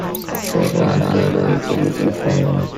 Smith answered: It's easy for me.